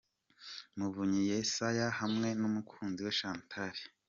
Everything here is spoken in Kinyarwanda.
Muvunyi Yesaya hamwe n'umukunzi we Chantal.